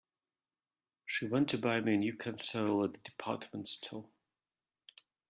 She went to buy me a new console at the department store.